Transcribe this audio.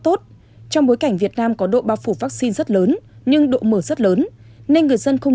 tốt trong bối cảnh việt nam có độ bao phủ vaccine rất lớn nhưng độ mở rất lớn nên người dân không